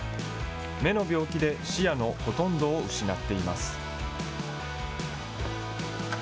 目の病気で視野のほとんどを失っています。